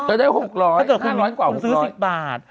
ถ้าเกิดคุณซื้อ๑๐บาท